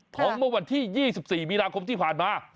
เมื่อวันที่๒๔มีนาคมที่ผ่านมา